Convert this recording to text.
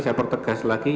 saya pertegas lagi